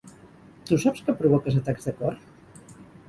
Tu saps que provoques atacs de cor?